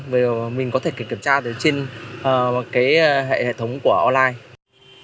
bởi vì mình có thể kiểm tra trên hệ thống của online